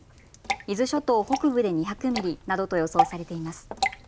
伊豆諸島北部で２００ミリなどと予想されています。